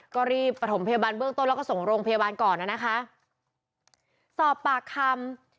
ก็รีบประถมพยาบาลเบื้องต้นแล้วก็ส่งโรงพยาบาลก่อนน่ะนะคะสอบปากคำ